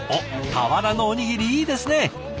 俵のおにぎりいいですね！